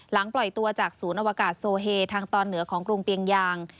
ปล่อยตัวจากศูนย์อวกาศโซเฮทางตอนเหนือของกรุงเปียงยาง